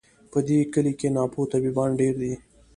په دې کلي کي ناپوه طبیبان ډیر دي